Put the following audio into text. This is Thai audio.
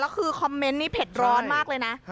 แล้วคือคอมเมนต์นี่เผ็ดร้อนมากเลยนะ